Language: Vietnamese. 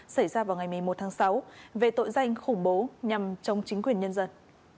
xảy ra vào ngày một mươi một tháng sáu về tội danh khủng bố nhằm chống chính quyền nhân dân